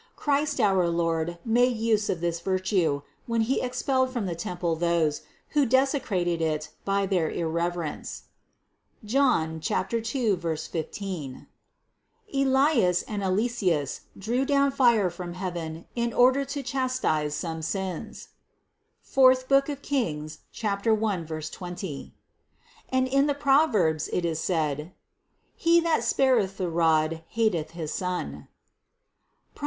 Christ our Lord made use of this virtue, when He expelled from the temple those, who desecrated it by their irreverence (John 2, 15) ; Elias and Eliseus drew down fire from heaven in order to chastise some sins (IV King 1, 20) ; and in the Proverbs it is said : "He that spareth the rod hateth his son" (Prov.